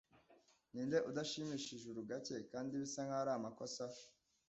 ninde udashimisha Ijuru gake kandi bisa nkaho ari amakosa